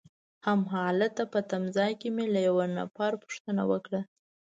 هماغلته په تمځای کي مې له یوه نفر پوښتنه وکړه.